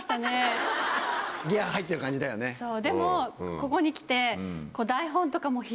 でもここに来て。